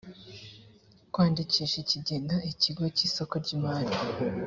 kwandikisha ikigega ikigo cy isoko ry imari